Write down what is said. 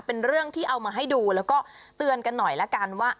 เป็นเรื่องที่เอามาให้ดูแล้วก็เตือนกันหน่อยละกันว่า